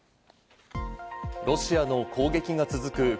ロシアの攻撃が続く